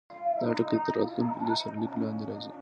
دا ټکی تر راتلونکي سرلیک لاندې راځي.